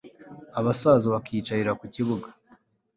abasaza bakiyicarira ku bibuga